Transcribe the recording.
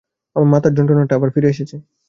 মাথার যন্ত্রণাটা আবার ফিরে এসেছে।